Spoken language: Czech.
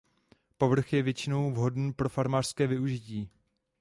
Povrch je většinou vhodný pro farmářské využití.